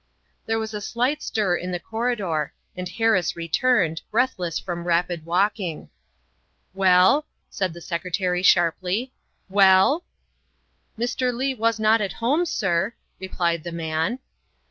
There was a slight stir in the corridor and Harris re turned, breathless from rapid walking. " Well?" said the Secretary sharply, " well?" '' Mr. Leigh was not at home, sir, '' replied the man.